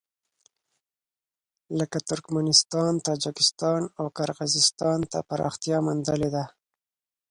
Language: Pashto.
لکه ترکمنستان، تاجکستان او قرغېزستان ته پراختیا موندلې ده.